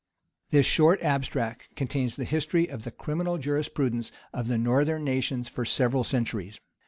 ] This short abstract contains the history of the criminal jurisprudence of the northern nations for several centuries.